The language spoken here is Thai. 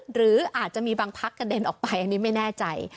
หรืออาจจะมีบางพักกระเด็นออกไปอันนี้ไม่แน่ใจ